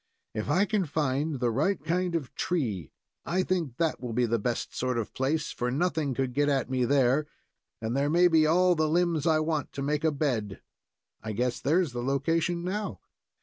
"If I can find the right kind of tree, I think that will be the best sort of a place, for nothing could get at me there, and there may be all the limbs I want to make a bed. I guess there's the location now."